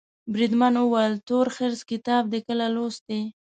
بریدمن وویل تورخرس کتاب دي کله لوستی.